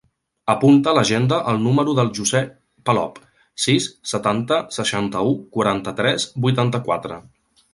Apunta a l'agenda el número del José Palop: sis, setanta, seixanta-u, quaranta-tres, vuitanta-quatre.